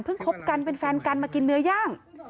คบกันเป็นแฟนกันมากินเนื้อย่าง